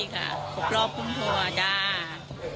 ขบรอบพลุงทัวร์